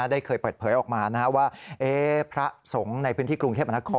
ได้เคยเปิดเผยออกมาว่าพระสงฆ์ในพื้นที่กรุงเทพมนาคม